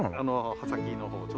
葉先の方をちょっと。